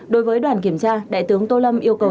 đối với đoàn kiểm tra đại tướng tô lâm yêu cầu